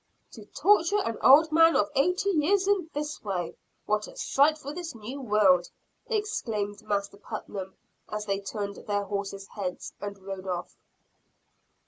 "To torture an old man of eighty years in this way! What a sight for this new world!" exclaimed Master Putnam, as they turned their horses' heads and rode off.